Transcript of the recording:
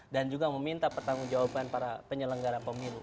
dan juga meminta pertanggung jawaban para penyelenggara pemilu